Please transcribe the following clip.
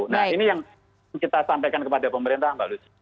nah ini yang kita sampaikan kepada pemerintah mbak lucy